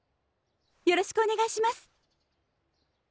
よろしくお願いします。